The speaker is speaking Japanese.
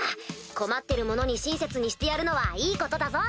困ってる者に親切にしてやるのはいいことだぞ！